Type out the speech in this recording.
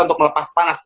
untuk melepas panas